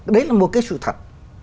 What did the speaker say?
đấy là một cái sự thật